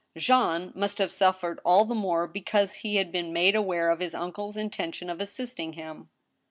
Jean must have suffered all the more because he had been made aware of his uncle's intention of assisting him.